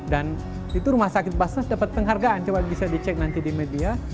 dan itu rumah sakit basnas dapat penghargaan coba bisa dicek nanti di media